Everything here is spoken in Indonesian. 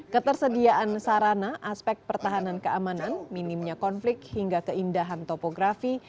ketersediaan sarana aspek pertahanan keamanan minimnya konflik hingga keindahan topografi